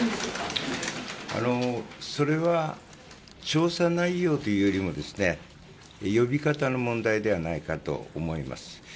調査内容というよりも呼び方の問題ではないかと思います。